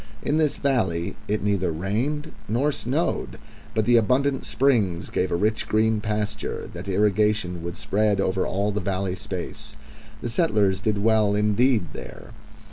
In this valley it neither rained nor snowed, but the abundant springs gave a rich green pasture, that irrigation would spread over all the valley space. The settlers did well indeed there.